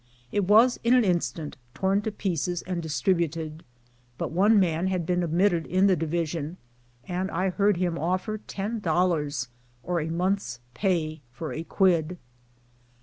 It was in an instant torn to pieces and distributed, but one man had been omitted in the division, and I heard him of fer ten dollars, or a month's pay, for a quid.